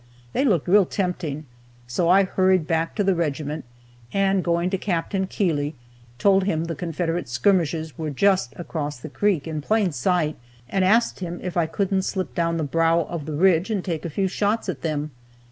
They looked real tempting, so I hurried back to the regiment, and going to Capt. Keeley, told him that the Confederate skirmishers were just across the creek, in plain sight, and asked him if I couldn't slip down the brow of the ridge and take a few shots at them.